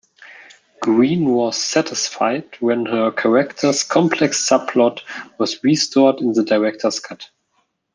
Green was satisfied when her character's complex subplot was restored in the director's cut.